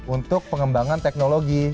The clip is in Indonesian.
untuk pengembangan teknologi